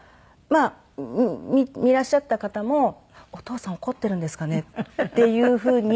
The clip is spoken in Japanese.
まあいらっしゃった方も「お父さん怒っているんですかね？」っていうふうに。